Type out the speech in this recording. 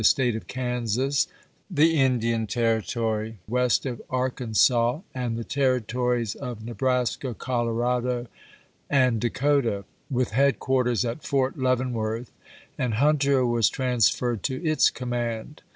State of Kansas, the Indian Territory west of Ar kansas, and the Territories of Nebraska, Colorado, and Dakota, with headquarters at Fort Leaven worth, and Hunter was transferred to its command.